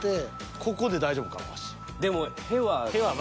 ここで大丈夫かな？